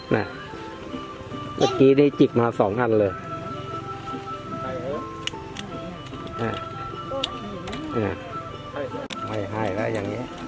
เมื่อกี้ได้จิกมาสองอันเลยไม่ให้แล้วอย่างนี้